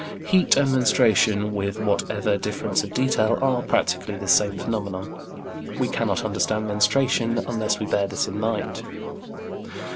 Heat and menstruation, with whatever difference of detail, are practically the same phenomenon. We cannot understand menstruation unless we bear this in mind.